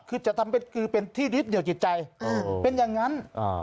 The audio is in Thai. คือจะทำเป็นคือเป็นที่ยึดเหนียวจิตใจเป็นอย่างนั้น